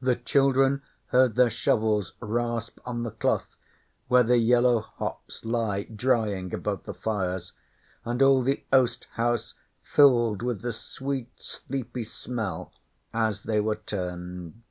The children heard their shovels rasp on the cloth where the yellow hops lie drying above the fires, and all the oast house filled with the sweet, sleepy smell as they were turned.